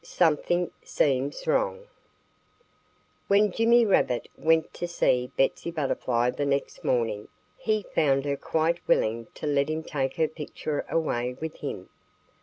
XX SOMETHING SEEMS WRONG WHEN Jimmy Rabbit went to see Betsy Butterfly the next morning he found her quite willing to let him take her picture away with him.